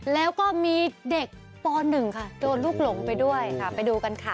แล้วก็มีเด็กป๑ค่ะโดนลูกหลงไปด้วยค่ะไปดูกันค่ะ